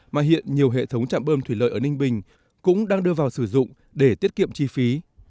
mà hiện nhiều hệ thống trạm bơm thủy lợi ở ninh bình cũng đang đưa vào sử dụng để tiết kiệm chi phí